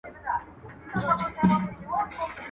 لږ به خورم ارام به اوسم.